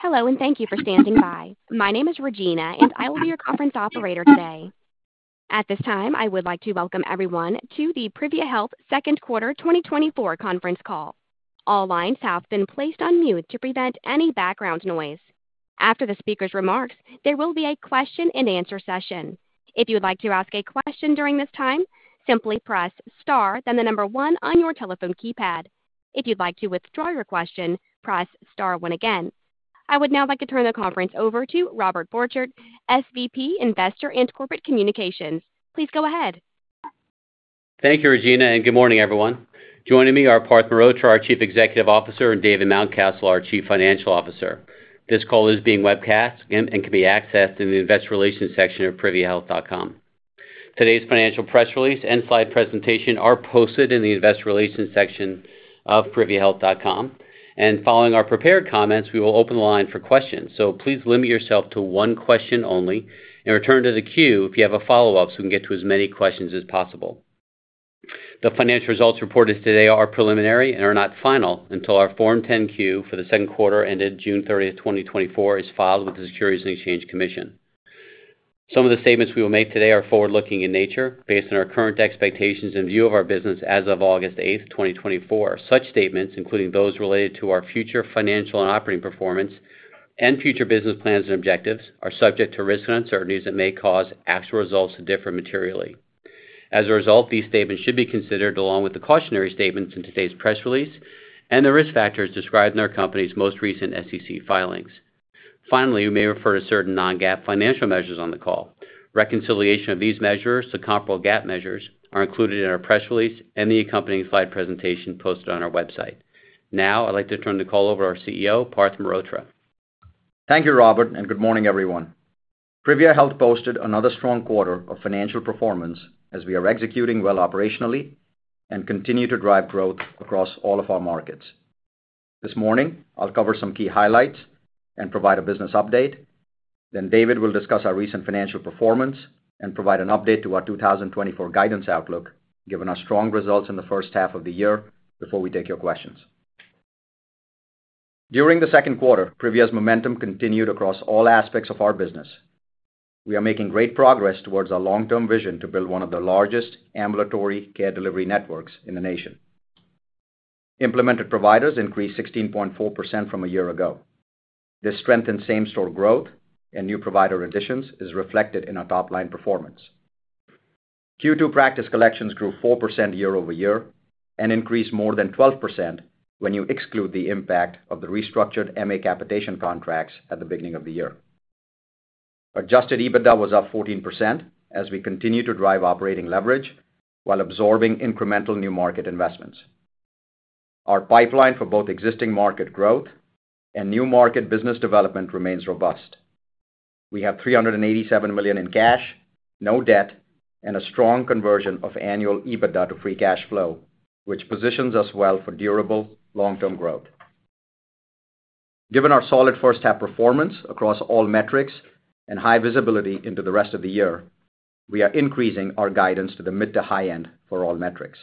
Hello, and thank you for standing by. My name is Regina, and I will be your conference operator today. At this time, I would like to welcome everyone to the Privia Health Second Quarter 2024 conference call. All lines have been placed on mute to prevent any background noise. After the speaker's remarks, there will be a question-and-answer session. If you would like to ask a question during this time, simply press star, then the number one on your telephone keypad. If you'd like to withdraw your question, press star one again. I would now like to turn the conference over to Robert Borchert, SVP, Investor and Corporate Communications. Please go ahead. Thank you, Regina, and good morning, everyone. Joining me are Parth Mehrotra, our Chief Executive Officer, and David Mountcastle, our Chief Financial Officer. This call is being webcast and can be accessed in the Investor Relations section of priviahealth.com. Today's financial press release and slide presentation are posted in the Investor Relations section of priviahealth.com, and following our prepared comments, we will open the line for questions. So please limit yourself to one question only and return to the queue if you have a follow-up, so we can get to as many questions as possible. The financial results reported today are preliminary and are not final until our Form 10-Q for the second quarter ended June 30, 2024, is filed with the Securities and Exchange Commission. Some of the statements we will make today are forward-looking in nature, based on our current expectations and view of our business as of August 8, 2024. Such statements, including those related to our future financial and operating performance and future business plans and objectives, are subject to risks and uncertainties that may cause actual results to differ materially. As a result, these statements should be considered along with the cautionary statements in today's press release and the risk factors described in our company's most recent SEC filings. Finally, we may refer to certain non-GAAP financial measures on the call. Reconciliation of these measures to comparable GAAP measures are included in our press release and the accompanying slide presentation posted on our website. Now, I'd like to turn the call over to our CEO, Parth Mehrotra. Thank you, Robert, and good morning, everyone. Privia Health posted another strong quarter of financial performance as we are executing well operationally and continue to drive growth across all of our markets. This morning, I'll cover some key highlights and provide a business update. Then David will discuss our recent financial performance and provide an update to our 2024 guidance outlook, given our strong results in the first half of the year, before we take your questions. During the second quarter, Privia's momentum continued across all aspects of our business. We are making great progress towards our long-term vision to build one of the largest ambulatory care delivery networks in the nation. Implemented providers increased 16.4% from a year ago. This strength in same-store growth and new provider additions is reflected in our top-line performance. Q2 Practice Collections grew 4% year-over-year and increased more than 12% when you exclude the impact of the restructured MA capitation contracts at the beginning of the year. Adjusted EBITDA was up 14% as we continue to drive operating leverage while absorbing incremental new market investments. Our pipeline for both existing market growth and new market business development remains robust. We have $387 million in cash, no debt, and a strong conversion of annual EBITDA to free cash flow, which positions us well for durable long-term growth. Given our solid first-half performance across all metrics and high visibility into the rest of the year, we are increasing our guidance to the mid to high end for all metrics.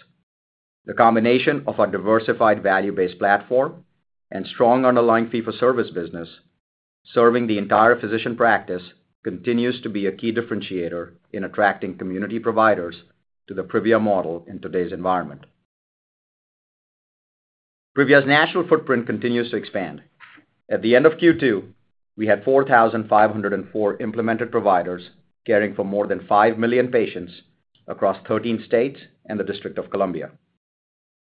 The combination of our diversified value-based platform and strong underlying fee-for-service business, serving the entire physician practice, continues to be a key differentiator in attracting community providers to the Privia model in today's environment. Privia's national footprint continues to expand. At the end of Q2, we had 4,504 implemented providers caring for more than 5 million patients across 13 states and the District of Columbia.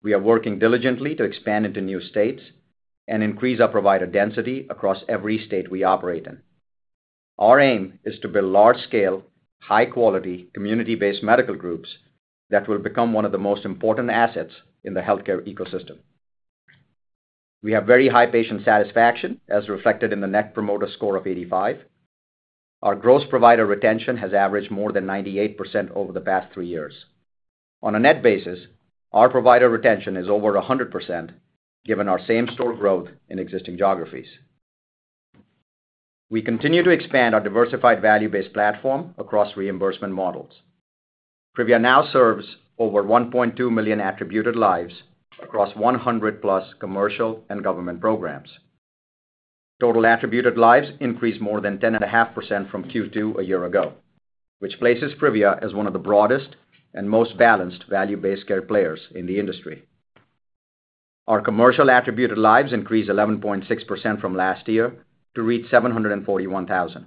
We are working diligently to expand into new states and increase our provider density across every state we operate in. Our aim is to build large-scale, high-quality, community-based medical groups that will become one of the most important assets in the healthcare ecosystem. We have very high patient satisfaction, as reflected in the Net Promoter Score of 85. Our gross provider retention has averaged more than 98% over the past three years. On a net basis, our provider retention is over 100%, given our same-store growth in existing geographies. We continue to expand our diversified value-based platform across reimbursement models. Privia now serves over 1.2 million attributed lives across 100+ commercial and government programs. Total attributed lives increased more than 10.5% from Q2 a year ago, which places Privia as one of the broadest and most balanced value-based care players in the industry. Our commercial attributed lives increased 11.6% from last year to reach 741,000.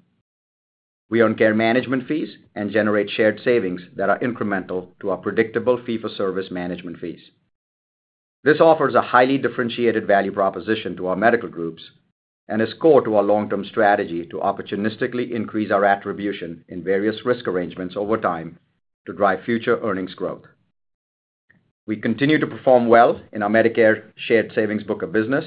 We earn care management fees and generate shared savings that are incremental to our predictable fee-for-service management fees. This offers a highly differentiated value proposition to our medical groups and is core to our long-term strategy to opportunistically increase our attribution in various risk arrangements over time to drive future earnings growth. We continue to perform well in our Medicare Shared Savings book of business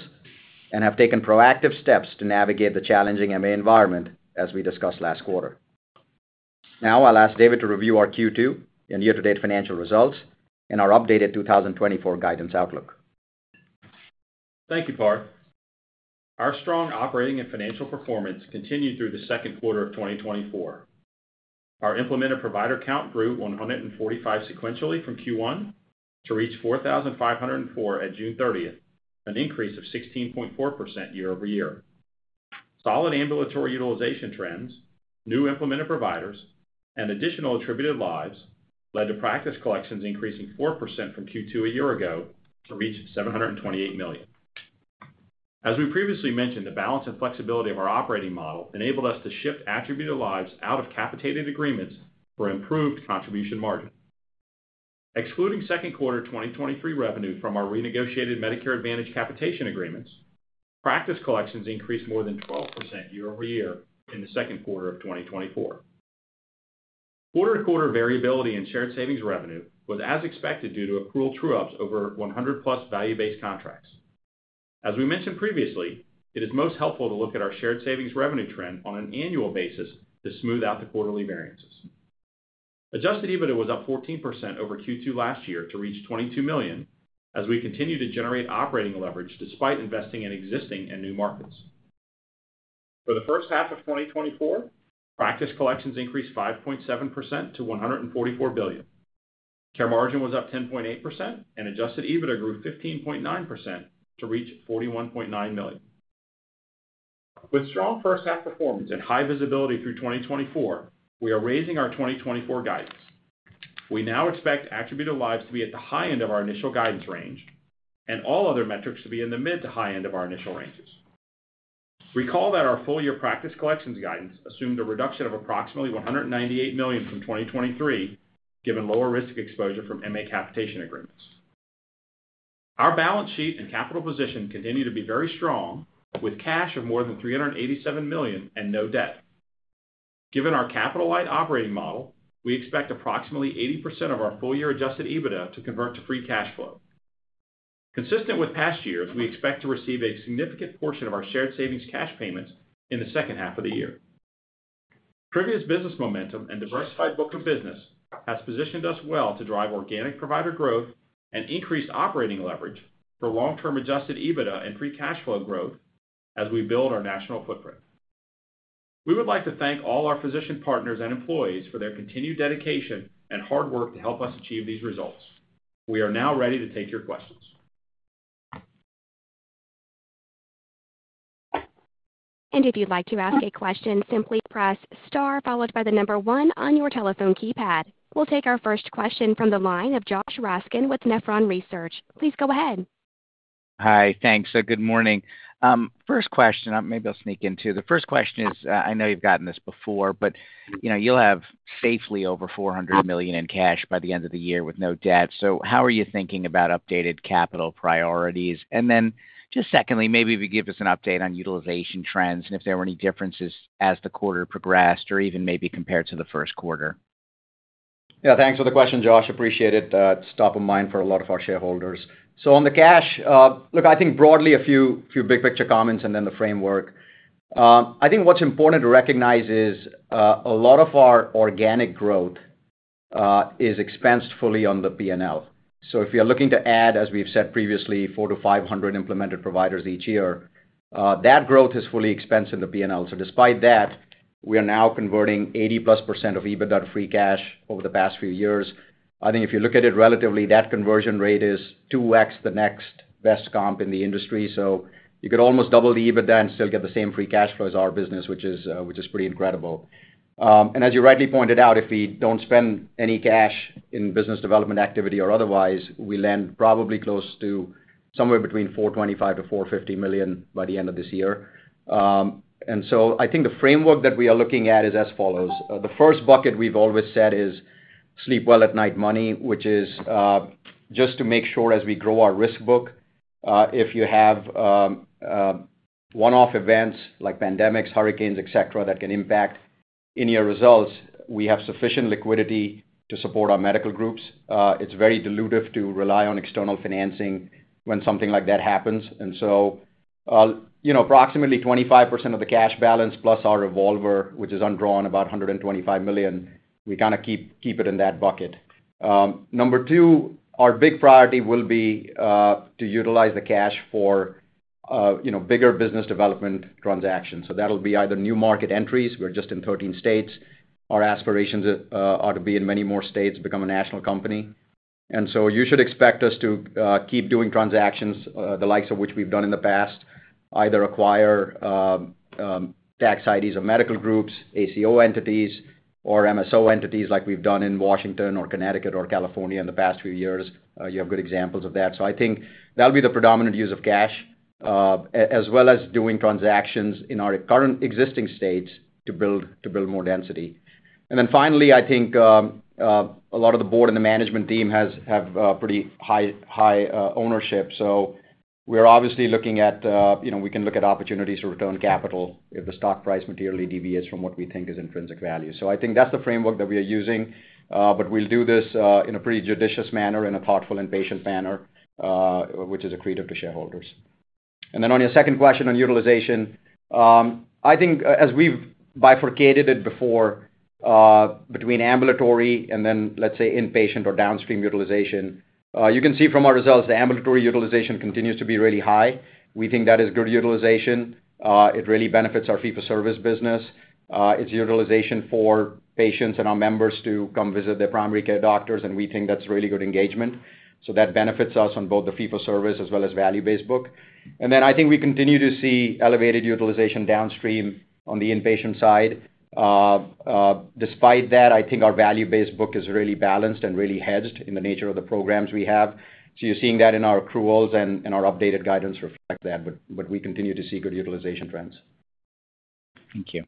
and have taken proactive steps to navigate the challenging MA environment, as we discussed last quarter. Now I'll ask David to review our Q2 and year-to-date financial results and our updated 2024 guidance outlook. Thank you, Parth. Our strong operating and financial performance continued through the second quarter of 2024. ...Our implemented provider count grew 145 sequentially from Q1 to reach 4,504 at June 30th, an increase of 16.4% year-over-year. Solid ambulatory utilization trends, new implemented providers, and additional attributed lives led to Practice Collections increasing 4% from Q2 a year ago to reach $728 million. As we previously mentioned, the balance and flexibility of our operating model enabled us to shift attributed lives out of capitated agreements for improved contribution margin. Excluding second quarter 2023 revenue from our renegotiated Medicare Advantage capitation agreements, Practice Collections increased more than 12% year-over-year in the second quarter of 2024. Quarter-to-quarter variability in shared savings revenue was as expected due to accrual true-ups over 100+ value-based contracts. As we mentioned previously, it is most helpful to look at our shared savings revenue trend on an annual basis to smooth out the quarterly variances. Adjusted EBITDA was up 14% over Q2 last year to reach $22 million, as we continue to generate operating leverage despite investing in existing and new markets. For the first half of 2024, Practice Collections increased 5.7% to $1.44 billion. Care Margin was up 10.8%, and adjusted EBITDA grew 15.9% to reach $41.9 million. With strong first half performance and high visibility through 2024, we are raising our 2024 guidance. We now expect attributed lives to be at the high end of our initial guidance range, and all other metrics to be in the mid to high end of our initial ranges. Recall that our full-year Practice Collections guidance assumed a reduction of approximately $198 million from 2023, given lower risk exposure from MA capitation agreements. Our balance sheet and capital position continue to be very strong, with cash of more than $387 million and no debt. Given our capital-light operating model, we expect approximately 80% of our full-year adjusted EBITDA to convert to free cash flow. Consistent with past years, we expect to receive a significant portion of our shared savings cash payments in the second half of the year. Previous business momentum and diversified book of business has positioned us well to drive organic provider growth and increase operating leverage for long-term adjusted EBITDA and free cash flow growth as we build our national footprint. We would like to thank all our physician partners and employees for their continued dedication and hard work to help us achieve these results. We are now ready to take your questions. If you'd like to ask a question, simply press star, followed by the number one on your telephone keypad. We'll take our first question from the line of Josh Raskin with Nephron Research. Please go ahead. Hi. Thanks. Good morning. First question, maybe I'll sneak into the first question is, I know you've gotten this before, but, you know, you'll have safely over $400 million in cash by the end of the year with no debt. So how are you thinking about updated capital priorities? And then just secondly, maybe if you give us an update on utilization trends and if there were any differences as the quarter progressed or even maybe compared to the first quarter. Yeah, thanks for the question, Josh. Appreciate it. It's top of mind for a lot of our shareholders. So on the cash, look, I think broadly, a few, few big picture comments and then the framework. I think what's important to recognize is, a lot of our organic growth, is expensed fully on the P&L. So if you're looking to add, as we've said previously, 400-500 implemented providers each year, that growth is fully expensed in the P&L. So despite that, we are now converting 80%+ of EBITDA free cash over the past few years. I think if you look at it relatively, that conversion rate is 2x the next best comp in the industry. So you could almost double the EBITDA and still get the same free cash flow as our business, which is, which is pretty incredible. And as you rightly pointed out, if we don't spend any cash in business development activity or otherwise, we land probably close to somewhere between $425 million-$450 million by the end of this year. And so I think the framework that we are looking at is as follows: The first bucket we've always said is sleep well at night money, which is, just to make sure as we grow our risk book, if you have, one-off events like pandemics, hurricanes, et cetera, that can impact any year results, we have sufficient liquidity to support our medical groups. It's very dilutive to rely on external financing when something like that happens. And so, you know, approximately 25% of the cash balance plus our revolver, which is undrawn, about $125 million, we kinda keep, keep it in that bucket. Number two, our big priority will be to utilize the cash for you know, bigger business development transactions. So that'll be either new market entries. We're just in 13 states. Our aspirations are to be in many more states, become a national company. And so you should expect us to keep doing transactions the likes of which we've done in the past, either acquire tax IDs of medical groups, ACO entities, or MSO entities like we've done in Washington or Connecticut or California in the past few years. You have good examples of that. So I think that'll be the predominant use of cash, as well as doing transactions in our current existing states to build more density. And then finally, I think, a lot of the board and the management team have pretty high ownership. So we're obviously looking at, we can look at opportunities to return capital if the stock price materially deviates from what we think is intrinsic value. So I think that's the framework that we are using, but we'll do this, in a pretty judicious manner, in a thoughtful and patient manner, which is accretive to shareholders. And then on your second question on utilization, I think as we've bifurcated it before, between ambulatory and then, let's say, inpatient or downstream utilization, you can see from our results, the ambulatory utilization continues to be really high. We think that is good utilization. It really benefits our fee-for-service business. It's utilization for patients and our members to come visit their primary care doctors, and we think that's really good engagement. So that benefits us on both the fee-for-service as well as value-based book. And then I think we continue to see elevated utilization downstream on the inpatient side. Despite that, I think our value-based book is really balanced and really hedged in the nature of the programs we have. So you're seeing that in our accruals, and our updated guidance reflect that, but we continue to see good utilization trends. Thank you.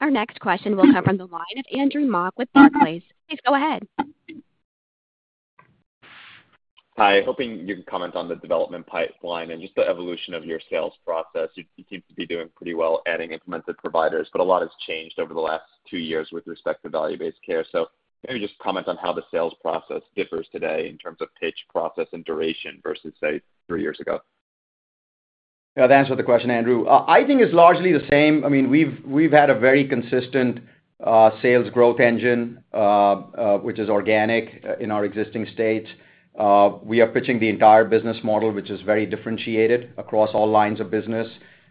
Our next question will come from the line of Andrew Mok with Barclays. Please go ahead. Hi, hoping you can comment on the development pipeline and just the evolution of your sales process. You seem to be doing pretty well adding implemented providers, but a lot has changed over the last two years with respect to value-based care. So maybe just comment on how the sales process differs today in terms of pitch process and duration versus, say, three years ago. Yeah, to answer the question, Andrew, I think it's largely the same. I mean, we've had a very consistent sales growth engine, which is organic in our existing states. We are pitching the entire business model, which is very differentiated across all lines of business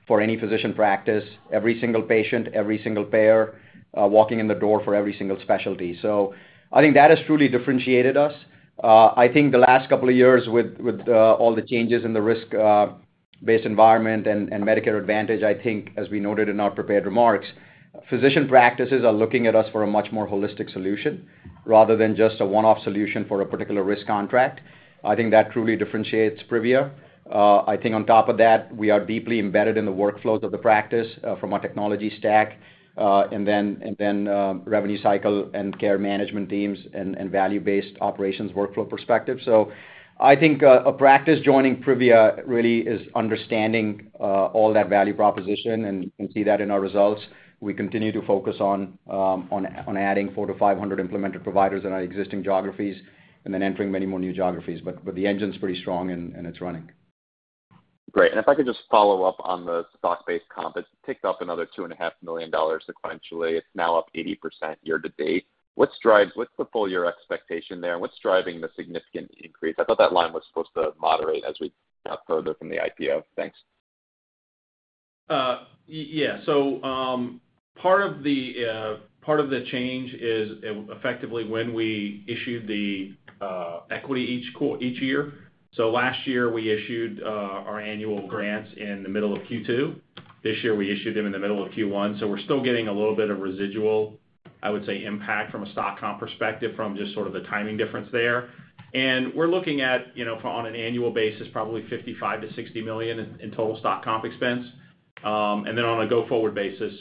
for any physician practice, every single patient, every single payer walking in the door for every single specialty. So I think that has truly differentiated us. I think the last couple of years with all the changes in the risk based environment and Medicare Advantage, I think, as we noted in our prepared remarks, physician practices are looking at us for a much more holistic solution rather than just a one-off solution for a particular risk contract. I think that truly differentiates Privia. I think on top of that, we are deeply embedded in the workflows of the practice, from our technology stack, and then revenue cycle and care management teams and value-based operations workflow perspective. So I think a practice joining Privia really is understanding all that value proposition, and you can see that in our results. We continue to focus on adding 400-500 implemented providers in our existing geographies and then entering many more new geographies. But the engine's pretty strong and it's running. Great. And if I could just follow up on the stock-based comp, it's ticked up another $2.5 million sequentially. It's now up 80% year to date. What's the full year expectation there, and what's driving the significant increase? I thought that line was supposed to moderate as we got further from the IPO. Thanks. Yeah. So, part of the change is effectively when we issued the equity each year. So last year, we issued our annual grants in the middle of Q2. This year, we issued them in the middle of Q1, so we're still getting a little bit of residual, I would say, impact from a stock comp perspective from just sort of the timing difference there. And we're looking at, you know, for on an annual basis, probably $55 million-$60 million in total stock comp expense. And then on a go-forward basis,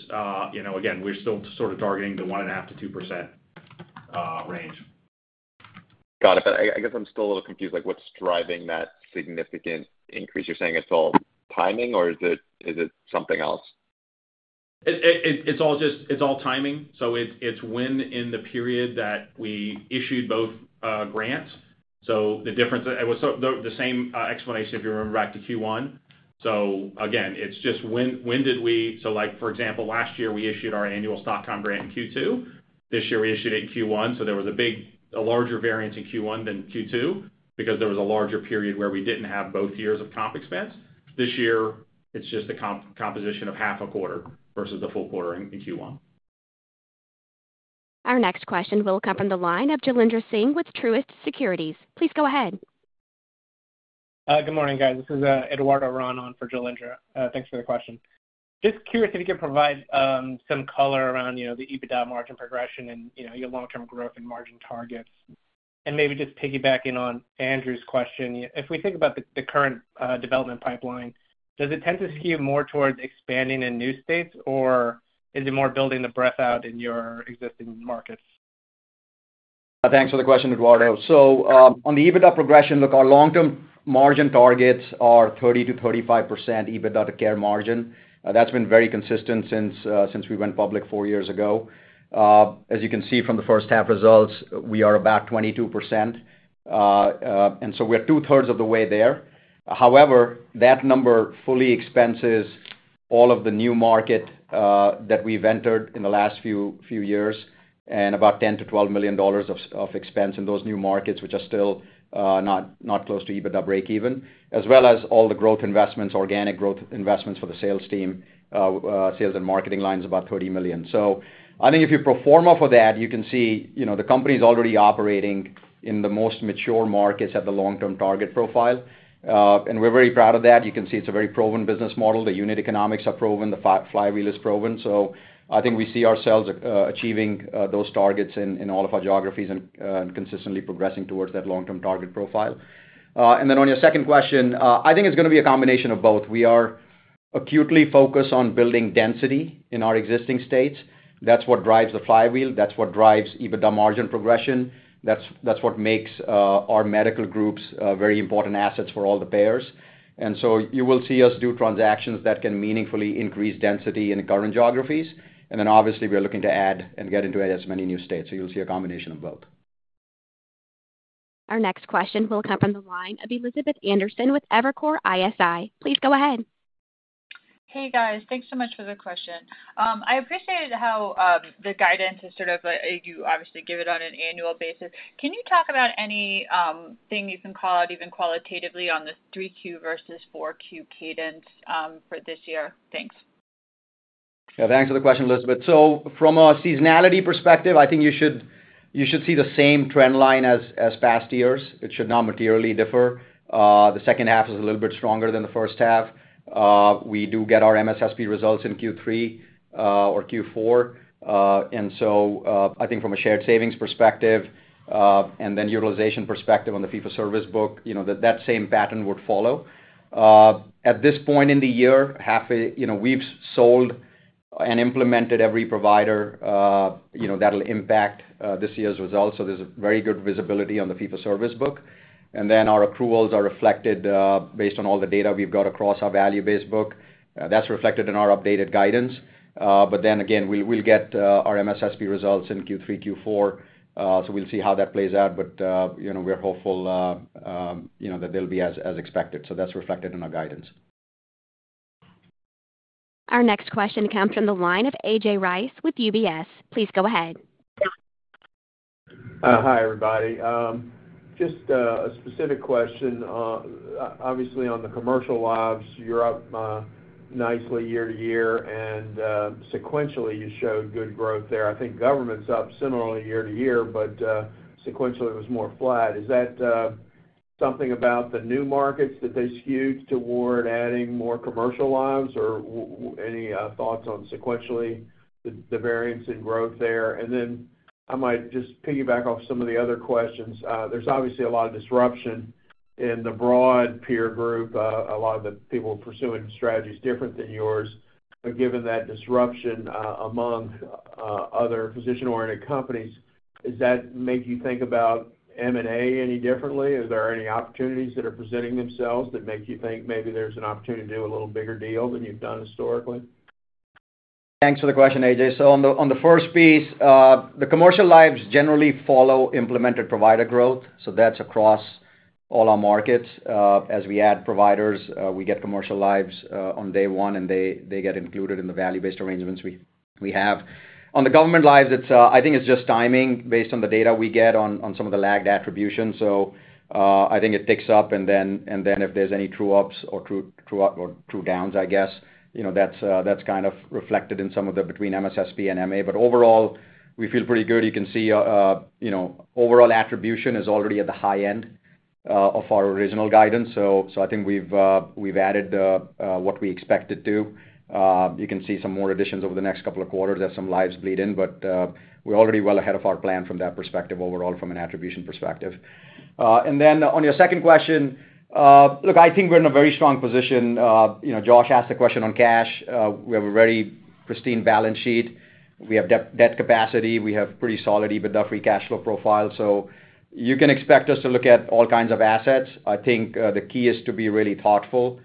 you know, again, we're still sort of targeting the 1.5%-2% range. Got it. But I, I guess I'm still a little confused, like, what's driving that significant increase? You're saying it's all timing, or is it, is it something else? It's all just timing, so it's when in the period that we issued both grants. So the difference. It was the same explanation, if you remember back to Q1. So again, it's just when did we. So, like, for example, last year, we issued our annual stock comp grant in Q2. This year, we issued it in Q1, so there was a larger variance in Q1 than Q2 because there was a larger period where we didn't have both years of comp expense. This year, it's just a comp composition of half a quarter versus a full quarter in Q1. Our next question will come from the line of Jailendra Singh with Truist Securities. Please go ahead. Good morning, guys. This is Eduardo Ron on for Jailendra. Thanks for the question. Just curious if you could provide some color around, you know, the EBITDA margin progression and, you know, your long-term growth and margin targets. And maybe just piggybacking on Andrew's question, if we think about the current development pipeline, does it tend to skew more towards expanding in new states, or is it more building the breadth out in your existing markets? Thanks for the question, Eduardo. So, on the EBITDA progression, look, our long-term margin targets are 30%-35% EBITDA to Care Margin. That's been very consistent since we went public four years ago. As you can see from the first half results, we are about 22%, and so we're two-thirds of the way there. However, that number fully expenses all of the new market that we've entered in the last few years, and about $10-$12 million of expense in those new markets, which are still not close to EBITDA breakeven, as well as all the growth investments, organic growth investments for the sales team, sales and marketing line is about $30 million. So I think if you pro forma for that, you can see, you know, the company is already operating in the most mature markets at the long-term target profile, and we're very proud of that. You can see it's a very proven business model. The unit economics are proven, the flywheel is proven, so I think we see ourselves achieving those targets in all of our geographies and consistently progressing towards that long-term target profile. And then on your second question, I think it's gonna be a combination of both. We are acutely focused on building density in our existing states. That's what drives the flywheel. That's what drives EBITDA margin progression. That's, that's what makes our medical groups very important assets for all the payers. And so you will see us do transactions that can meaningfully increase density in the current geographies, and then obviously, we are looking to add and get into as many new states. So you'll see a combination of both. Our next question will come from the line of Elizabeth Anderson with Evercore ISI. Please go ahead. Hey, guys. Thanks so much for the question. I appreciated how the guidance is sort of you obviously give it on an annual basis. Can you talk about anything you can call out, even qualitatively, on the 3Q versus 4Q cadence for this year? Thanks. Yeah, thanks for the question, Elizabeth. So from a seasonality perspective, I think you should, you should see the same trend line as, as past years. It should not materially differ. The second half is a little bit stronger than the first half. We do get our MSSP results in Q3, or Q4. And so, I think from a shared savings perspective, and then utilization perspective on the fee-for-service book, you know, that, that same pattern would follow. At this point in the year... You know, we've sold and implemented every provider, you know, that'll impact, this year's results, so there's a very good visibility on the fee-for-service book. And then our accruals are reflected, based on all the data we've got across our value-based book. That's reflected in our updated guidance. But then again, we'll get our MSSP results in Q3, Q4, so we'll see how that plays out. But you know, we're hopeful, you know, that they'll be as, as expected. So that's reflected in our guidance. Our next question comes from the line of A.J. Rice with UBS. Please go ahead. Hi, everybody. Just a specific question. Obviously, on the commercial lives, you're up nicely year to year, and sequentially, you showed good growth there. I think government's up similarly year to year, but sequentially, it was more flat. Is that something about the new markets that they skewed toward adding more commercial lives, or any thoughts on sequentially the variance in growth there? And then I might just piggyback off some of the other questions. There's obviously a lot of disruption in the broad peer group, a lot of the people pursuing strategies different than yours. But given that disruption, among other physician-oriented companies, does that make you think about M&A any differently? Is there any opportunities that are presenting themselves that make you think maybe there's an opportunity to do a little bigger deal than you've done historically? Thanks for the question, AJ. So on the first piece, the commercial lives generally follow implemented provider growth, so that's across all our markets. As we add providers, we get commercial lives on day one, and they get included in the value-based arrangements we have. On the government lives, it's, I think it's just timing based on the data we get on some of the lagged attribution. So, I think it ticks up, and then if there's any true ups or true downs, I guess, you know, that's kind of reflected in some of the between MSSP and MA. But overall, we feel pretty good. You can see, you know, overall attribution is already at the high end of our original guidance. I think we've added what we expected to. You can see some more additions over the next couple of quarters as some lives bleed in, but we're already well ahead of our plan from that perspective overall, from an attribution perspective. And then on your second question, look, I think we're in a very strong position. You know, Josh asked a question on cash. We have a very pristine balance sheet. We have debt, debt capacity. We have pretty solid EBITDA free cash flow profile. So you can expect us to look at all kinds of assets. I think the key is to be really thoughtful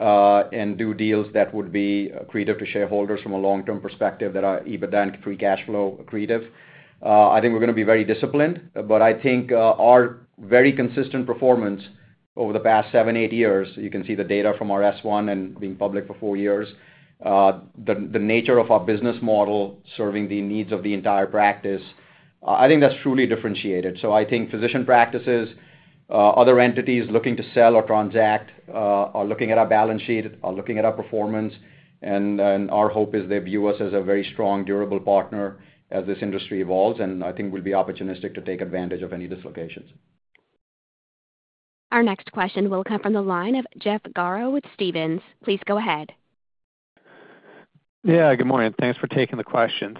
and do deals that would be accretive to shareholders from a long-term perspective that are EBITDA and free cash flow accretive. I think we're gonna be very disciplined, but I think, our very consistent performance over the past 7, 8 years, you can see the data from our S-1 and being public for 4 years, the nature of our business model, serving the needs of the entire practice, I think that's truly differentiated. So I think physician practices, other entities looking to sell or transact, are looking at our balance sheet, are looking at our performance, and then our hope is they view us as a very strong, durable partner as this industry evolves, and I think we'll be opportunistic to take advantage of any dislocations. Our next question will come from the line of Jeff Garro with Stephens. Please go ahead. Yeah, good morning. Thanks for taking the questions.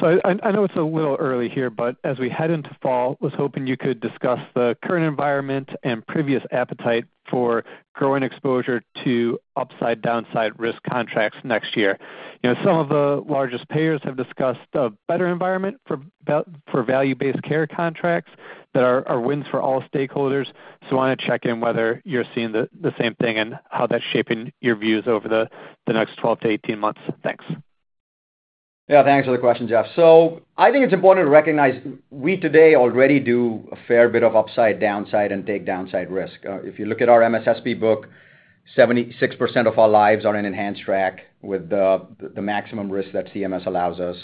So I know it's a little early here, but as we head into fall, I was hoping you could discuss the current environment and previous appetite for growing exposure to upside/downside risk contracts next year. You know, some of the largest payers have discussed a better environment for value-based care contracts that are wins for all stakeholders. So I wanna check in whether you're seeing the same thing and how that's shaping your views over the next 12 to 18 months. Thanks. Yeah, thanks for the question, Jeff. So I think it's important to recognize, we today already do a fair bit of upside, downside and take downside risk. If you look at our MSSP book, 76% of our lives are in enhanced track with the maximum risk that CMS allows us.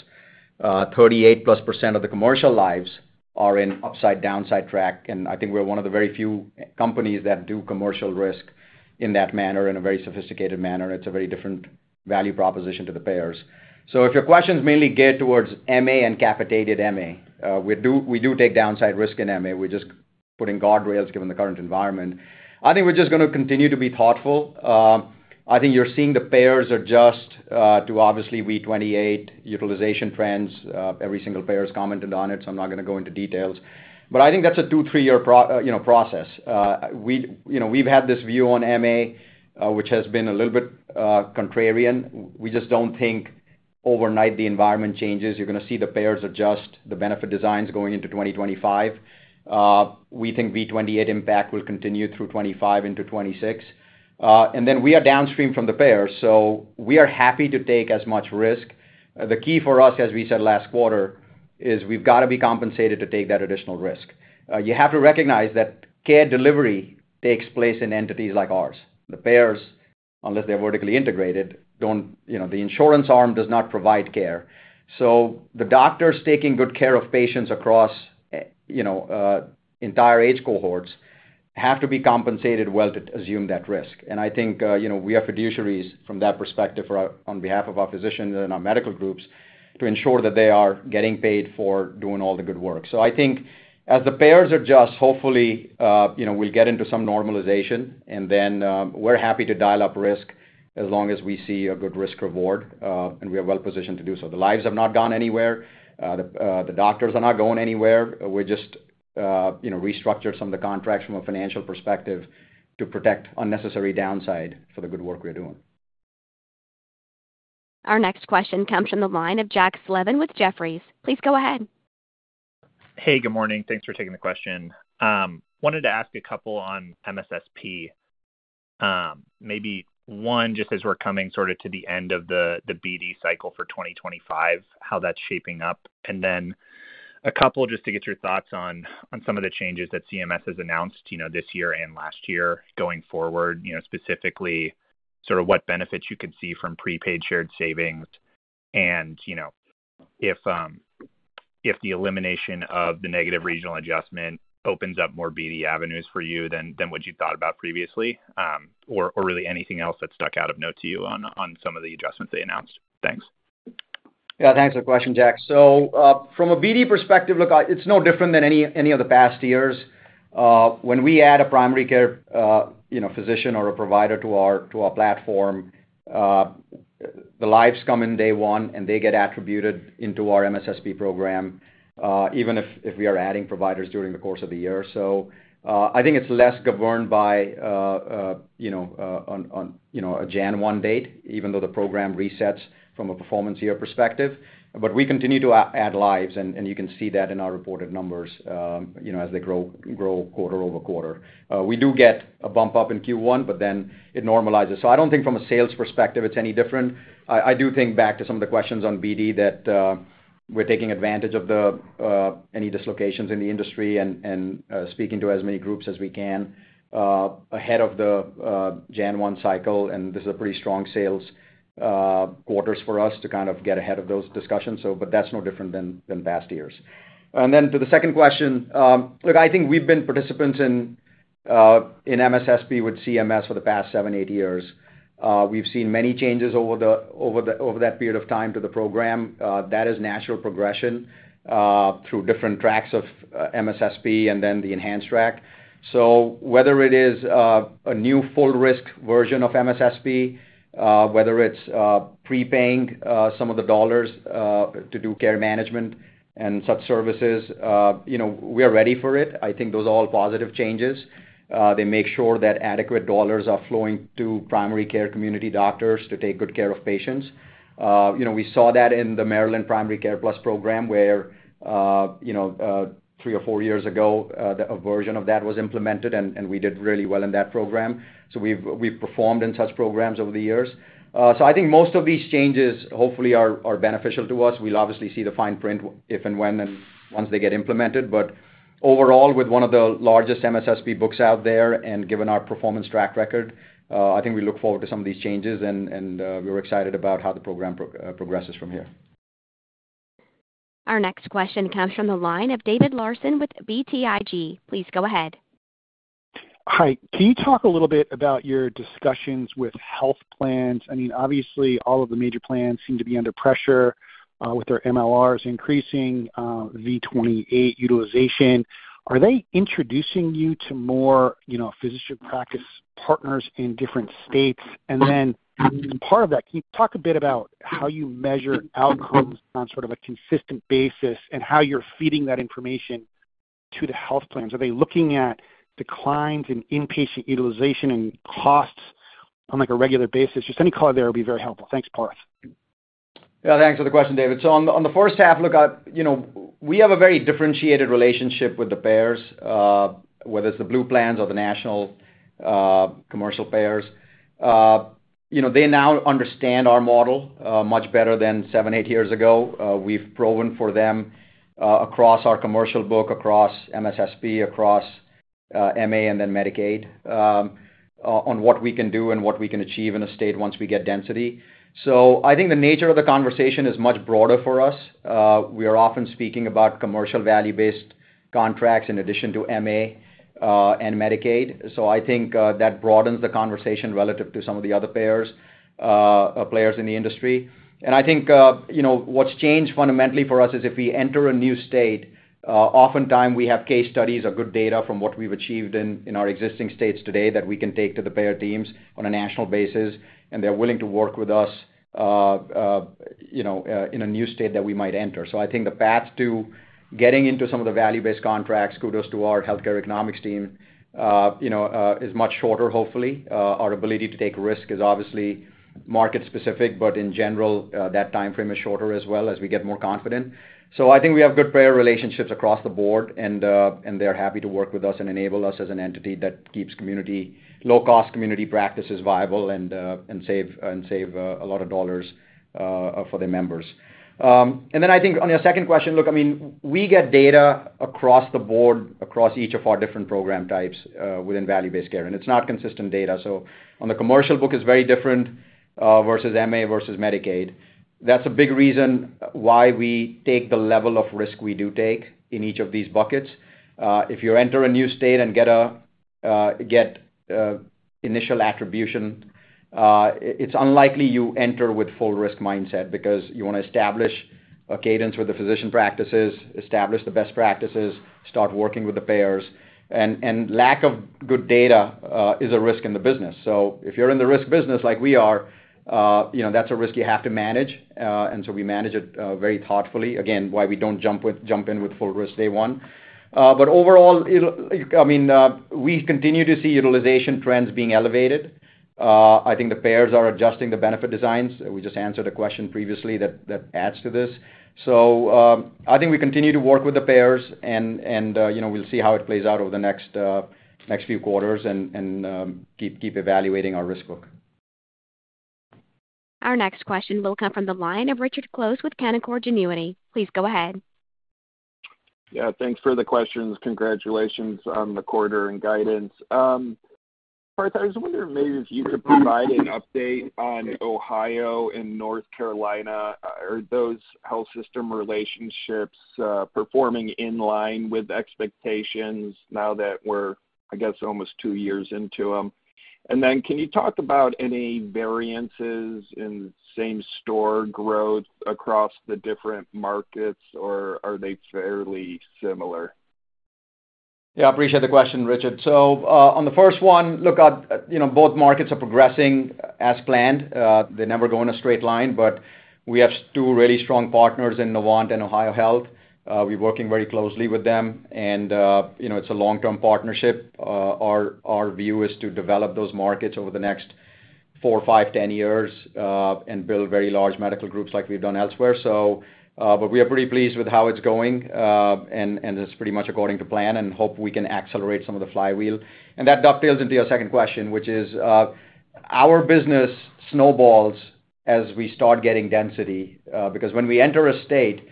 Thirty-eight plus percent of the commercial lives are in upside/downside track, and I think we're one of the very few companies that do commercial risk in that manner, in a very sophisticated manner. It's a very different value proposition to the payers. So if your questions mainly geared towards MA and capitated MA, we do, we do take downside risk in MA. We're just putting guardrails, given the current environment. I think we're just gonna continue to be thoughtful. I think you're seeing the payers adjust to obviously V28 utilization trends. Every single payer has commented on it, so I'm not gonna go into details. But I think that's a 2- or 3-year process, you know. We, you know, we've had this view on MA, which has been a little bit contrarian. We just don't think overnight the environment changes. You're gonna see the payers adjust the benefit designs going into 2025. We think V28 impact will continue through 2025 into 2026. And then we are downstream from the payers, so we are happy to take as much risk. The key for us, as we said last quarter, is we've got to be compensated to take that additional risk. You have to recognize that care delivery takes place in entities like ours. The payers, unless they're vertically integrated, don't, you know, the insurance arm does not provide care. So the doctors taking good care of patients across, you know, entire age cohorts, have to be compensated well to assume that risk. And I think, you know, we are fiduciaries from that perspective for our- on behalf of our physicians and our medical groups, to ensure that they are getting paid for doing all the good work. So I think as the payers adjust, hopefully, you know, we'll get into some normalization, and then, we're happy to dial up risk as long as we see a good risk reward, and we are well positioned to do so. The lives have not gone anywhere, the doctors are not going anywhere. We're just, you know, restructure some of the contracts from a financial perspective to protect unnecessary downside for the good work we're doing. Our next question comes from the line of Jack Slevin with Jefferies. Please go ahead. Hey, good morning. Thanks for taking the question. Wanted to ask a couple on MSSP. Maybe one, just as we're coming sort of to the end of the BD cycle for 2025, how that's shaping up? And then a couple, just to get your thoughts on some of the changes that CMS has announced, you know, this year and last year going forward, you know, specifically, sort of what benefits you could see from prepaid shared savings. And, you know, if the elimination of the negative regional adjustment opens up more BD avenues for you than what you thought about previously, or really anything else that stuck out of note to you on some of the adjustments they announced. Thanks. Yeah, thanks for the question, Jack. So, from a BD perspective, look, it's no different than any of the past years. When we add a primary care, you know, physician or a provider to our platform, the lives come in day one, and they get attributed into our MSSP program, even if we are adding providers during the course of the year. So, I think it's less governed by, you know, on, you know, a Jan one date, even though the program resets from a performance year perspective. But we continue to add lives, and you can see that in our reported numbers, you know, as they grow quarter over quarter. We do get a bump up in Q1, but then it normalizes. So I don't think from a sales perspective, it's any different. I do think back to some of the questions on BD, that we're taking advantage of the any dislocations in the industry and speaking to as many groups as we can ahead of the Jan 1 cycle, and this is a pretty strong sales quarters for us to kind of get ahead of those discussions. So but that's no different than past years. And then to the second question, look, I think we've been participants in MSSP with CMS for the past 7, 8 years. We've seen many changes over that period of time to the program. That is natural progression through different tracks of MSSP and then the enhanced track. So whether it is a new full risk version of MSSP, whether it's prepaying some of the dollars to do care management and such services, you know, we are ready for it. I think those are all positive changes. They make sure that adequate dollars are flowing to primary care community doctors to take good care of patients. You know, we saw that in the Maryland Primary Care Plus program, where, you know, three or four years ago, a version of that was implemented, and we did really well in that program. So we've performed in such programs over the years. So I think most of these changes, hopefully are beneficial to us. We'll obviously see the fine print if and when once they get implemented, but overall, with one of the largest MSSP books out there, and given our performance track record, I think we look forward to some of these changes, and we're excited about how the program progresses from here. Our next question comes from the line of David Larsen with BTIG. Please go ahead. Hi, can you talk a little bit about your discussions with health plans? I mean, obviously, all of the major plans seem to be under pressure with their MLRs increasing, V28 utilization. Are they introducing you to more, you know, physician practice partners in different states? And then part of that, can you talk a bit about how you measure outcomes on sort of a consistent basis and how you're feeding that information to the health plans? Are they looking at declines in inpatient utilization and costs on, like, a regular basis? Just any color there would be very helpful. Thanks, Parth. Yeah, thanks for the question, David. So on the first half, look, you know, we have a very differentiated relationship with the payers, whether it's the Blue plans or the national commercial payers. You know, they now understand our model much better than 7, 8 years ago. We've proven for them across our commercial book, across MSSP, across MA and then Medicaid, on what we can do and what we can achieve in a state once we get density. So I think the nature of the conversation is much broader for us. We are often speaking about commercial value-based contracts in addition to MA and Medicaid. So I think that broadens the conversation relative to some of the other payers players in the industry. I think, you know, what's changed fundamentally for us is if we enter a new state, oftentimes, we have case studies or good data from what we've achieved in our existing states today that we can take to the payer teams on a national basis, and they're willing to work with us in a new state that we might enter. So I think the path to getting into some of the value-based contracts, kudos to our healthcare economics team, you know, is much shorter, hopefully. Our ability to take risk is obviously market-specific, but in general, that timeframe is shorter as well as we get more confident. So I think we have good payer relationships across the board, and they're happy to work with us and enable us as an entity that keeps community low-cost community practices viable and save a lot of dollars for their members. And then I think on your second question, look, I mean, we get data across the board, across each of our different program types within value-based care, and it's not consistent data. So on the commercial book, it's very different versus MA versus Medicaid. That's a big reason why we take the level of risk we do take in each of these buckets. If you enter a new state and get an initial attribution, it's unlikely you enter with full risk mindset because you wanna establish a cadence with the physician practices, establish the best practices, start working with the payers. Lack of good data is a risk in the business. So if you're in the risk business like we are, you know, that's a risk you have to manage, and so we manage it very thoughtfully. Again, why we don't jump in with full risk day one. But overall, it'll, I mean, we continue to see utilization trends being elevated. I think the payers are adjusting the benefit designs. We just answered a question previously that adds to this. So, I think we continue to work with the payers and, you know, we'll see how it plays out over the next few quarters and keep evaluating our risk book. Our next question will come from the line of Richard Close with Canaccord Genuity. Please go ahead. Yeah, thanks for the questions. Congratulations on the quarter and guidance. Parth, I was wondering if maybe if you could provide an update on Ohio and North Carolina. Are those health system relationships performing in line with expectations now that we're, I guess, almost two years into them? And then can you talk about any variances in same-store growth across the different markets, or are they fairly similar? Yeah, I appreciate the question, Richard. So, on the first one, look, you know, both markets are progressing as planned. They never go in a straight line, but we have two really strong partners in Novant and OhioHealth. We're working very closely with them, and, you know, it's a long-term partnership. Our view is to develop those markets over the next 4, 5, 10 years, and build very large medical groups like we've done elsewhere. So, but we are pretty pleased with how it's going, and it's pretty much according to plan, and hope we can accelerate some of the flywheel. And that dovetails into your second question, which is, our business snowballs as we start getting density, because when we enter a state,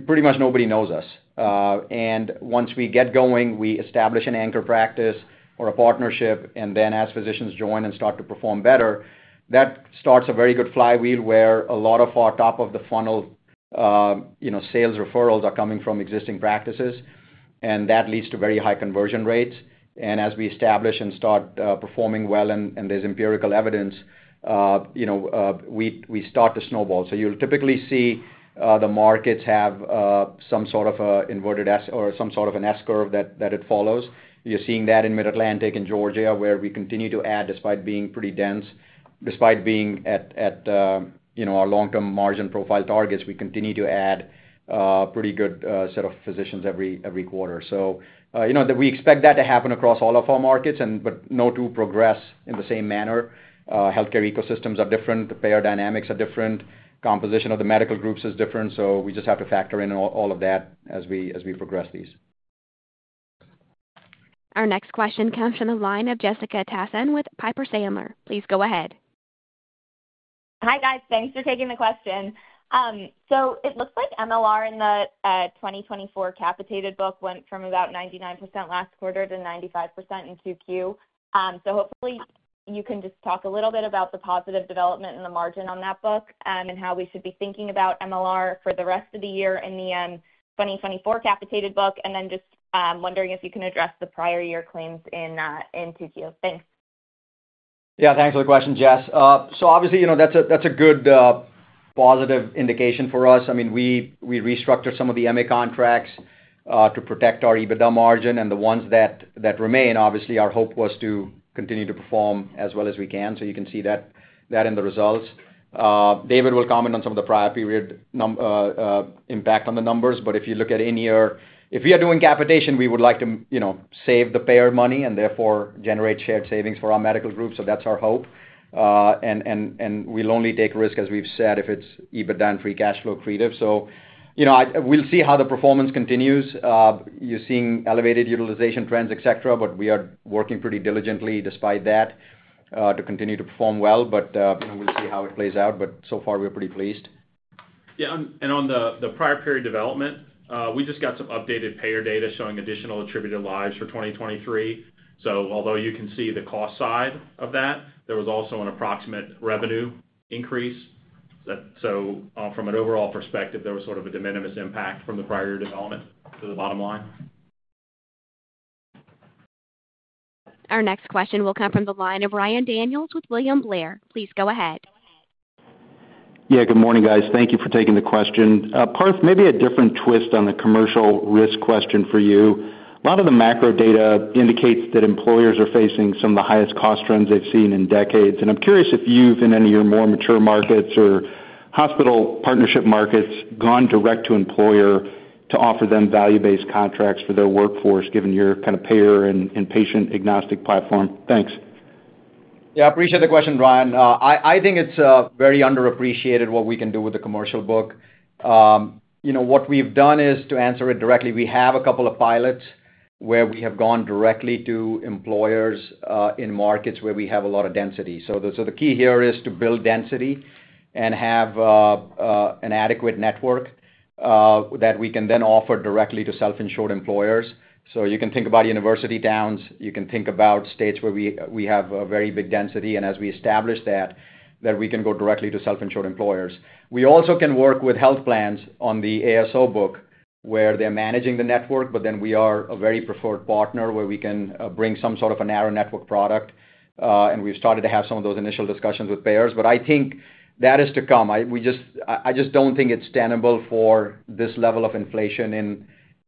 pretty much nobody knows us. And once we get going, we establish an anchor practice or a partnership, and then as physicians join and start to perform better, that starts a very good flywheel, where a lot of our top-of-the-funnel, you know, sales referrals are coming from existing practices, and that leads to very high conversion rates. As we establish and start performing well, and there's empirical evidence, you know, we start to snowball. So you'll typically see the markets have some sort of an inverted S or some sort of an S-curve that it follows. You're seeing that in Mid-Atlantic and Georgia, where we continue to add despite being pretty dense. Despite being at, you know, our long-term margin profile targets, we continue to add a pretty good set of physicians every quarter. So, you know, we expect that to happen across all of our markets and... but no two progress in the same manner. Healthcare ecosystems are different, the payer dynamics are different, composition of the medical groups is different, so we just have to factor in all, all of that as we, as we progress these. Our next question comes from the line of Jessica Tassan with Piper Sandler. Please go ahead. Hi, guys. Thanks for taking the question. So it looks like MLR in the 2024 capitated book went from about 99% last quarter to 95% in 2Q. So hopefully you can just talk a little bit about the positive development in the margin on that book and how we should be thinking about MLR for the rest of the year in the 2024 capitated book. And then just wondering if you can address the prior year claims in 2Q. Thanks. Yeah, thanks for the question, Jess. So obviously, you know, that's a good positive indication for us. I mean, we restructured some of the MA contracts to protect our EBITDA margin, and the ones that remain, obviously, our hope was to continue to perform as well as we can, so you can see that in the results. David will comment on some of the prior period numbers impact on the numbers, but if you look at in-year, if we are doing capitation, we would like to, you know, save the payer money and therefore generate shared savings for our medical group, so that's our hope. And we'll only take risk, as we've said, if it's EBITDA and free cash flow accretive. So, you know, we'll see how the performance continues. You're seeing elevated utilization trends, et cetera, but we are working pretty diligently despite that, to continue to perform well. But, we'll see how it plays out, but so far we're pretty pleased. Yeah, and, and on the, the prior period development, we just got some updated payer data showing additional attributed lives for 2023. So although you can see the cost side of that, there was also an approximate revenue increase. That, so, from an overall perspective, there was sort of a de minimis impact from the prior year development to the bottom line. Our next question will come from the line of Ryan Daniels with William Blair. Please go ahead.... Yeah, good morning, guys. Thank you for taking the question. Parth, maybe a different twist on the commercial risk question for you. A lot of the macro data indicates that employers are facing some of the highest cost trends they've seen in decades, and I'm curious if you've, in any of your more mature markets or hospital partnership markets, gone direct to employer to offer them value-based contracts for their workforce, given your kind of payer and patient-agnostic platform? Thanks. Yeah, I appreciate the question, Ryan. I think it's very underappreciated what we can do with the commercial book. You know, what we've done is, to answer it directly, we have a couple of pilots where we have gone directly to employers in markets where we have a lot of density. So the key here is to build density and have an adequate network that we can then offer directly to self-insured employers. So you can think about university towns, you can think about states where we have a very big density, and as we establish that, then we can go directly to self-insured employers. We also can work with health plans on the ASO book, where they're managing the network, but then we are a very preferred partner, where we can bring some sort of a narrow network product, and we've started to have some of those initial discussions with payers. But I think that is to come. I just don't think it's tenable for this level of inflation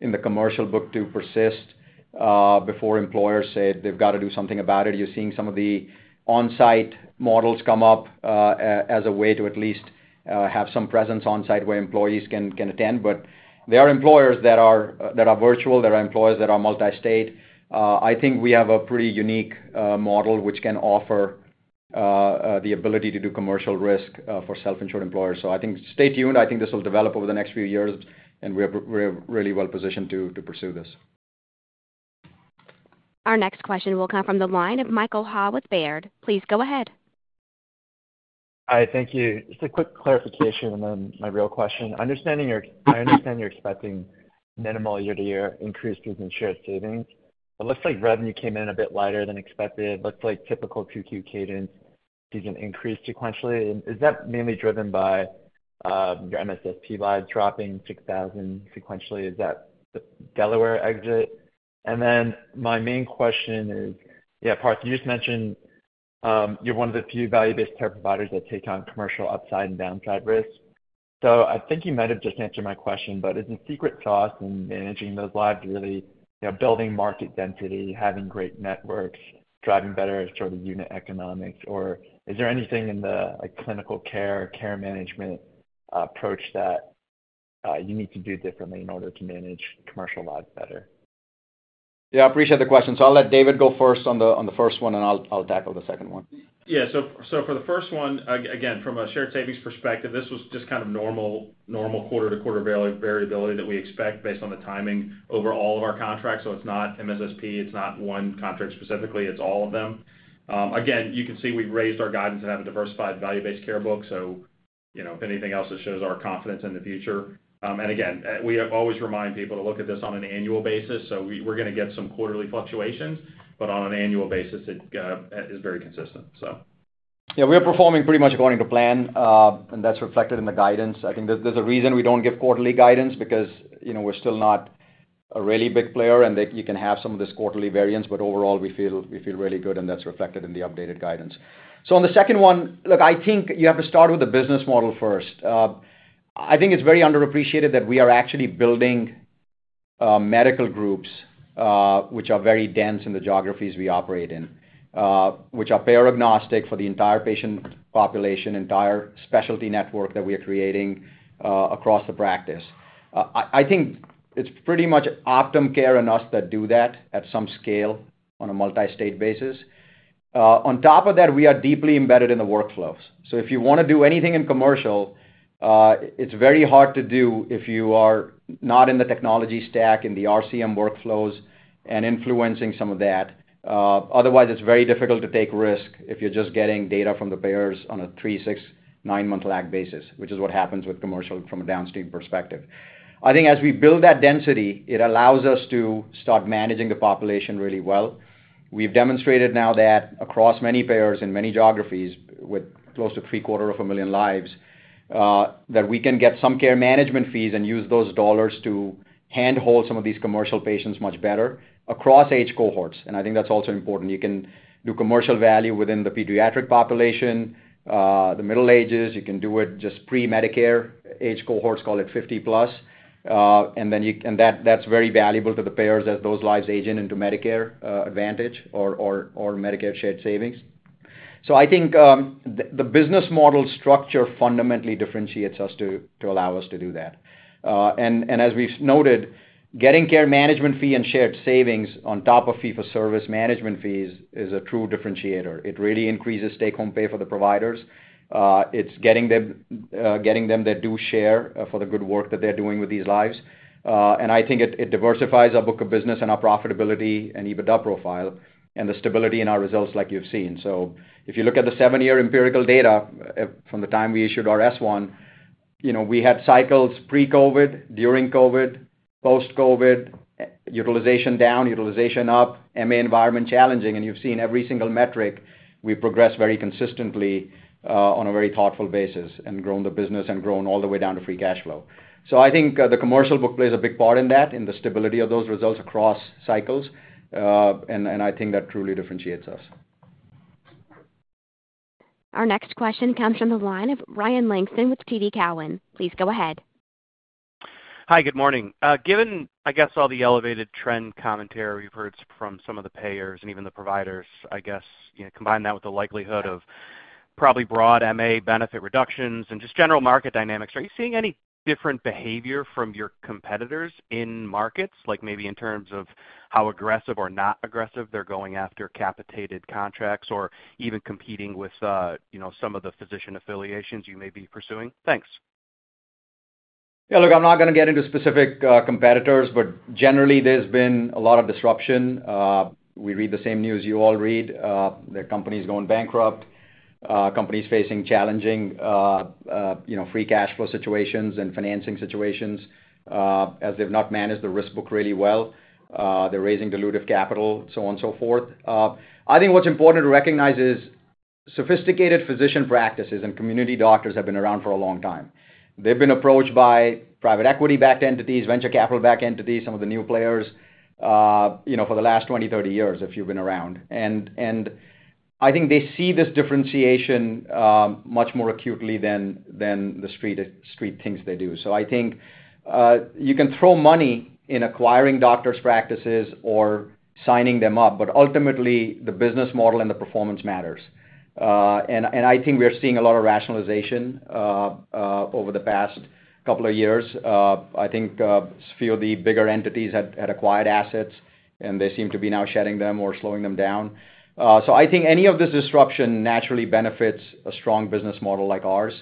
in the commercial book to persist before employers say they've got to do something about it. You're seeing some of the onsite models come up, as a way to at least have some presence on-site where employees can attend. But there are employers that are virtual, there are employers that are multi-state. I think we have a pretty unique model, which can offer the ability to do commercial risk for self-insured employers. So I think stay tuned. I think this will develop over the next few years, and we are really well positioned to pursue this. Our next question will come from the line of Michael Ha with Baird. Please go ahead. Hi, thank you. Just a quick clarification and then my real question. Understanding your- I understand you're expecting minimal year-to-year increases in shared savings. It looks like revenue came in a bit lighter than expected. It looks like typical Q2 cadence sees an increase sequentially. Is that mainly driven by, your MSSP lives dropping 6,000 sequentially? Is that the Delaware exit? And then my main question is... Yeah, Parth, you just mentioned, you're one of the few value-based care providers that take on commercial upside and downside risk. So I think you might have just answered my question, but is the secret sauce in managing those lives really, you know, building market density, having great networks, driving better sort of unit economics, or is there anything in the, like, clinical care, care management, approach that you need to do differently in order to manage commercial lives better? Yeah, I appreciate the question. So I'll let David go first on the first one, and I'll tackle the second one. Yeah. So for the first one, again, from a shared savings perspective, this was just kind of normal, normal quarter-to-quarter variability that we expect based on the timing over all of our contracts. So it's not MSSP, it's not one contract specifically, it's all of them. Again, you can see we've raised our guidance and have a diversified value-based care book, so, you know, if anything else, it shows our confidence in the future. And again, we have always remind people to look at this on an annual basis, so we're gonna get some quarterly fluctuations, but on an annual basis, it is very consistent, so. Yeah, we are performing pretty much according to plan, and that's reflected in the guidance. I think there's a reason we don't give quarterly guidance, because, you know, we're still not a really big player, and that you can have some of this quarterly variance, but overall, we feel really good, and that's reflected in the updated guidance. So on the second one, look, I think you have to start with the business model first. I think it's very underappreciated that we are actually building medical groups, which are very dense in the geographies we operate in, which are payer-agnostic for the entire patient population, entire specialty network that we are creating across the practice. I think it's pretty much Optum Care and us that do that at some scale on a multi-state basis. On top of that, we are deeply embedded in the workflows. So if you wanna do anything in commercial, it's very hard to do if you are not in the technology stack, in the RCM workflows, and influencing some of that. Otherwise, it's very difficult to take risk if you're just getting data from the payers on a 3, 6, 9-month lag basis, which is what happens with commercial from a downstream perspective. I think as we build that density, it allows us to start managing the population really well. We've demonstrated now that across many payers and many geographies, with close to three-quarters of a million lives, that we can get some care management fees and use those dollars to handhold some of these commercial patients much better across age cohorts, and I think that's also important. You can do commercial value within the pediatric population, the middle ages. You can do it just pre-Medicare age cohorts, call it 50+, and that, that's very valuable to the payers as those lives age in into Medicare Advantage or Medicare Shared Savings. So I think, the business model structure fundamentally differentiates us to allow us to do that. And as we've noted, getting care management fee and shared savings on top of fee-for-service management fees is a true differentiator. It really increases take-home pay for the providers. It's getting them their due share for the good work that they're doing with these lives. And I think it diversifies our book of business and our profitability and EBITDA profile and the stability in our results like you've seen. So if you look at the 7-year empirical data, from the time we issued our S-1, you know, we had cycles pre-COVID, during COVID, post-COVID, utilization down, utilization up, MA environment challenging, and you've seen every single metric, we progressed very consistently, on a very thoughtful basis and grown the business and grown all the way down to free cash flow. So I think, the commercial book plays a big part in that, in the stability of those results across cycles, and, and I think that truly differentiates us. Our next question comes from the line of Ryan Langston with TD Cowen. Please go ahead. Hi, good morning. Given, I guess, all the elevated trend commentary we've heard from some of the payers and even the providers, I guess, you know, combine that with the likelihood of probably broad MA benefit reductions and just general market dynamics, are you seeing any different behavior from your competitors in markets? Like maybe in terms of how aggressive or not aggressive they're going after capitated contracts or even competing with, you know, some of the physician affiliations you may be pursuing? Thanks. Yeah, look, I'm not gonna get into specific competitors, but generally, there's been a lot of disruption. We read the same news you all read. There are companies going bankrupt, companies facing challenging, you know, free cash flow situations and financing situations, as they've not managed the risk book really well. They're raising dilutive capital, so on and so forth. I think what's important to recognize is, sophisticated physician practices and community doctors have been around for a long time. They've been approached by private equity-backed entities, venture capital-backed entities, some of the new players, you know, for the last 20, 30 years, if you've been around. And, I think they see this differentiation much more acutely than the Street thinks they do. So I think, you can throw money in acquiring doctors' practices or signing them up, but ultimately, the business model and the performance matters. And I think we are seeing a lot of rationalization over the past couple of years. I think a few of the bigger entities had acquired assets, and they seem to be now shedding them or slowing them down. So I think any of this disruption naturally benefits a strong business model like ours,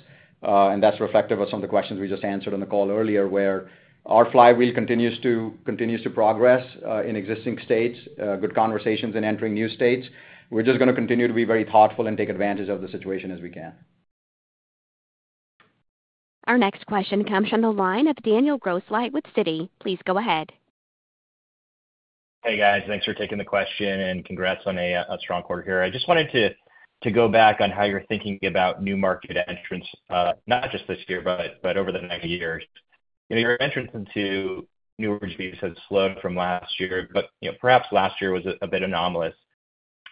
and that's reflective of some of the questions we just answered on the call earlier, where our flywheel continues to progress in existing states, good conversations in entering new states. We're just gonna continue to be very thoughtful and take advantage of the situation as we can. Our next question comes from the line of Daniel Grosslight with Citi. Please go ahead. Hey, guys. Thanks for taking the question, and congrats on a strong quarter here. I just wanted to go back on how you're thinking about new market entrants, not just this year, but over the next years. Your entrance into new entries has slowed from last year, but, you know, perhaps last year was a bit anomalous.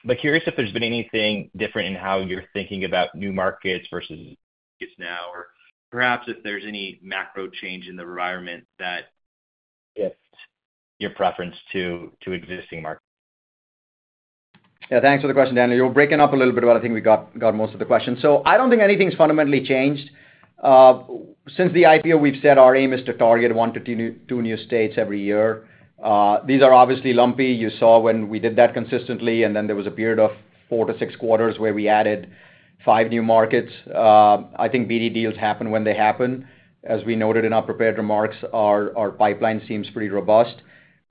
But curious if there's been anything different in how you're thinking about new markets versus now, or perhaps if there's any macro change in the environment that shifts your preference to existing markets? Yeah, thanks for the question, Daniel. You were breaking up a little bit, but I think we got most of the question. So I don't think anything's fundamentally changed. Since the IPO, we've said our aim is to target 1-2 new states every year. These are obviously lumpy. You saw when we did that consistently, and then there was a period of 4-6 quarters where we added 5 new markets. I think BD deals happen when they happen. As we noted in our prepared remarks, our pipeline seems pretty robust.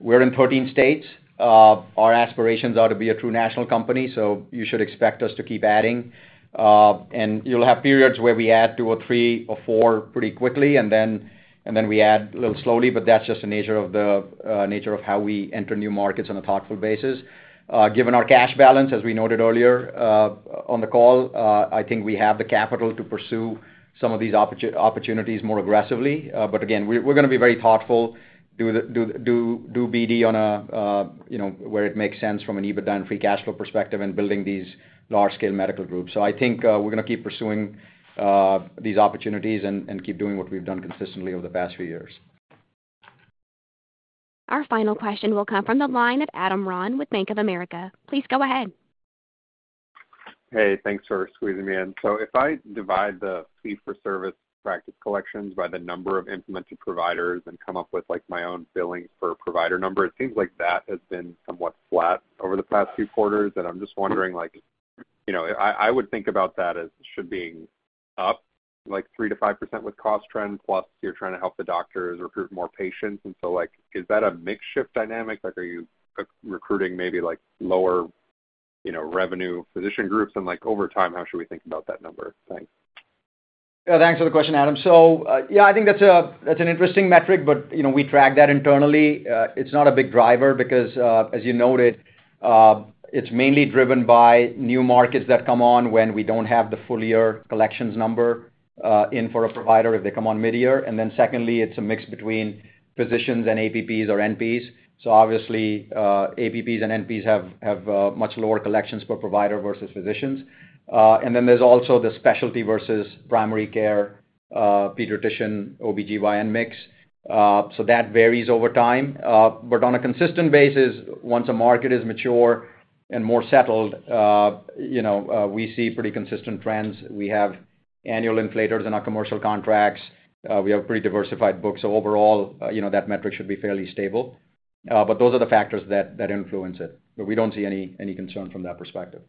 We're in 13 states. Our aspirations are to be a true national company, so you should expect us to keep adding. And you'll have periods where we add two or three or four pretty quickly, and then we add a little slowly, but that's just the nature of the nature of how we enter new markets on a thoughtful basis. Given our cash balance, as we noted earlier, on the call, I think we have the capital to pursue some of these opportunities more aggressively. But again, we're gonna be very thoughtful, do BD on a, you know, where it makes sense from an EBITDA and free cash flow perspective and building these large-scale medical groups. So I think, we're gonna keep pursuing these opportunities and keep doing what we've done consistently over the past few years. Our final question will come from the line of Adam Ron with Bank of America. Please go ahead. Hey, thanks for squeezing me in. So if I divide the fee-for-service Practice Collections by the number of implemented providers and come up with, like, my own billing per provider number, it seems like that has been somewhat flat over the past few quarters. And I'm just wondering, like, you know, I, I would think about that as should being up, like, 3%-5% with cost trend, plus you're trying to help the doctors recruit more patients. And so, like, is that a mix-shift dynamic? Like, are you recruiting maybe, like, lower, you know, revenue physician groups? And, like, over time, how should we think about that number? Thanks. Yeah, thanks for the question, Adam. So, yeah, I think that's an interesting metric, but, you know, we track that internally. It's not a big driver because, as you noted, it's mainly driven by new markets that come on when we don't have the full year collections number in for a provider if they come on mid-year. And then secondly, it's a mix between physicians and APPs or NPs. So obviously, APPs and NPs have much lower collections per provider versus physicians. And then there's also the specialty versus primary care, pediatrician, OBGYN mix, so that varies over time. But on a consistent basis, once a market is mature and more settled, you know, we see pretty consistent trends. We have annual inflators in our commercial contracts. We have pretty diversified books. So overall, you know, that metric should be fairly stable. But those are the factors that influence it, but we don't see any concern from that perspective.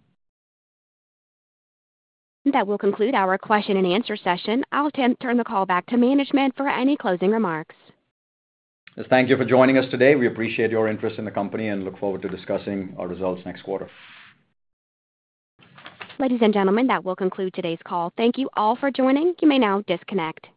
That will conclude our question-and-answer session. I'll turn the call back to management for any closing remarks. Thank you for joining us today. We appreciate your interest in the company and look forward to discussing our results next quarter. Ladies and gentlemen, that will conclude today's call. Thank you all for joining. You may now disconnect.